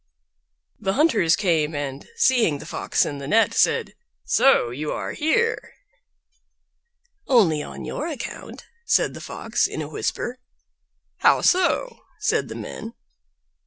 The Hunters came, and seeing the Fox in the net, said, "So you are here!" "Only on your account," said the Fox, in a whisper. "How so?" said the men.